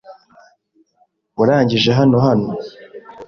Warangije hano hano?